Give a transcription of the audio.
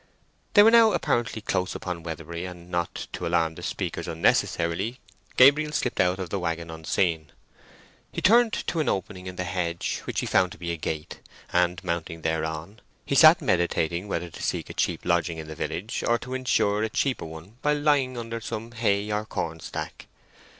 They were now apparently close upon Weatherbury and not to alarm the speakers unnecessarily, Gabriel slipped out of the waggon unseen. He turned to an opening in the hedge, which he found to be a gate, and mounting thereon, he sat meditating whether to seek a cheap lodging in the village, or to ensure a cheaper one by lying under some hay or corn stack.